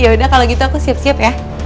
yaudah kalau gitu aku siap siap ya